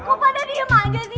kok pada diem aja sih